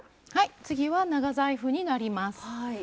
次は長財布になります。